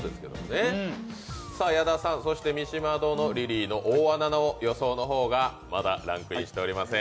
矢田さん、三島殿、リリーの大穴の予想がまだランクインしておりません。